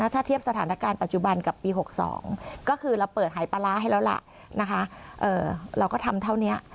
ถ้าเทียบสถานการณ์ปัจจุบันกับปี๖๒ก็คือเราเปิดหายปลาร้าให้แล้วล่ะนะคะเราก็ทำเท่านี้